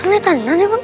kan ada tanda emang